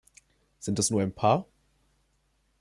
Sind es nur ein paar?